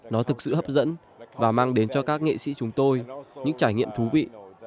nó thực sự hấp dẫn và mang đến cho các nghệ sĩ chúng tôi những trải nghiệm thú vị